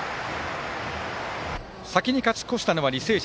先に勝ち越したのは履正社。